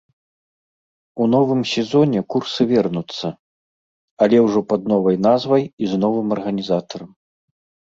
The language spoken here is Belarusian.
У новым сезоне курсы вернуцца, але ўжо пад новай назвай і з новым арганізатарам.